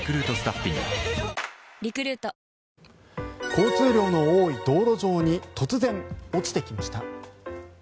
交通量の多い道路上に突然、落ちてきました。